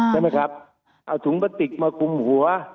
ใช่ไหมครับเอาถุงพลาติกมาคุมหัว